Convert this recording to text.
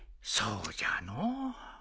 そうじゃのう。